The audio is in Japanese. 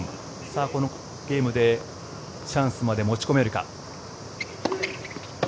このゲームでチャンスまで持ち込めるか。